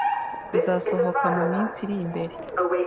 bizasohoka mu minsi iri imbere,